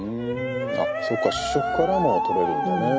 あそっか主食からもとれるんだね。